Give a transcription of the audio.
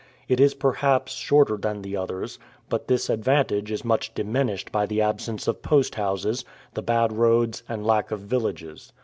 It is perhaps shorter than the other, but this advantage is much diminished by the absence of post houses, the bad roads, and lack of villages.